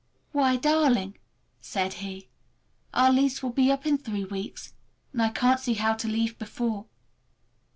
"Why darling!" said he, "our lease will be up in three weeks, and I can't see how to leave before.